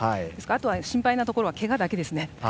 あとは心配なところはけがだけですね。